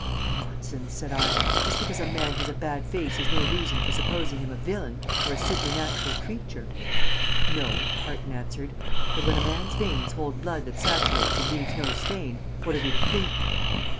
"Nonsense," said I. "Just because a man has a bad face is no reason for supposing him a villain or a supernatural creature." "No," Parton answered; "but when a man's veins hold blood that saturates and leaves no stain, what are we to think?"